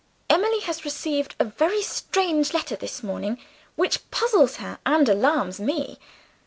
Emily has received a very strange letter this morning, which puzzles her and alarms me.